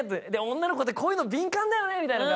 女の子ってこういうの敏感だよねーって。